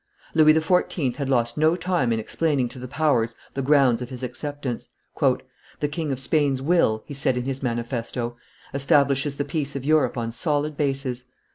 Louis XIV. had lost no time in explaining to the powers the grounds of his acceptance. "The King of Spain's will," he said in his manifesto, "establishes the peace of Europe on solid bases."